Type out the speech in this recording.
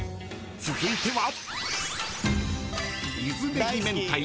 ［続いては］